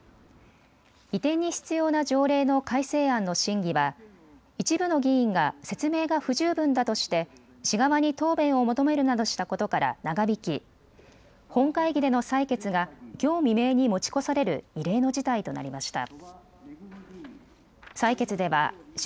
移転に必要な条例の改正案の審議は一部の議員が説明が不十分だとして市側に答弁を求めるなどしたことから長引き本会議での採決がきょう未明に持ち越される異例の事態となりました。